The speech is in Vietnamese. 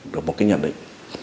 được một cái nhận định